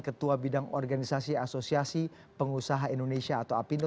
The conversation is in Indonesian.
ketua bidang organisasi asosiasi pengusaha indonesia atau apindo